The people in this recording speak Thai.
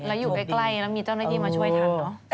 แล้วอยู่ใกล้แล้วมีเจ้าหน้าที่มาช่วยทันเนอะ